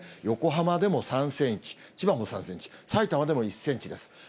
横浜でも３センチ、千葉も３センチ、さいたまでも１センチです。